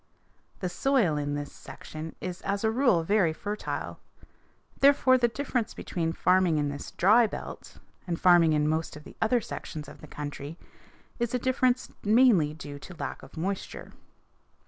The soil in this section is as a rule very fertile. Therefore the difference between farming in this dry belt and farming in most of the other sections of our country is a difference mainly due to a lack of moisture.